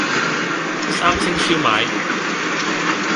三星燒賣